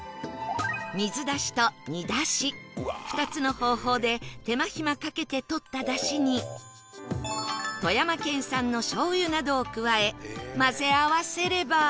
水出しと煮出し２つの方法で手間ひまかけて取った出汁に富山県産の醤油などを加え混ぜ合わせれば